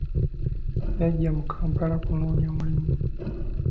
Yajja mu akampala kunoonya mulimu.